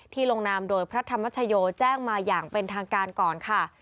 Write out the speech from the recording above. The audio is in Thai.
ลงนามโดยพระธรรมชโยแจ้งมาอย่างเป็นทางการก่อนค่ะ